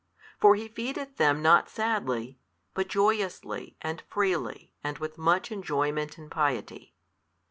For He feedeth them not sadly, but joyously and freely and with much enjoyment in piety.